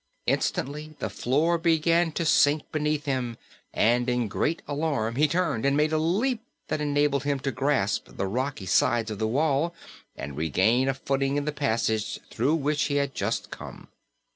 Instantly the floor began to sink beneath him and in great alarm he turned and made a leap that enabled him to grasp the rocky sides of the wall and regain a footing in the passage through which he had just come.